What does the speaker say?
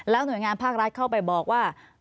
หน่วยงานภาครัฐเข้าไปบอกว่า